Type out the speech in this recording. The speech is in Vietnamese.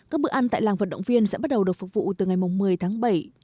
các bữa ăn tại làng vận động viên sẽ bắt đầu được phục vụ từ ngày một mươi tháng bảy